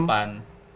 satu masa depan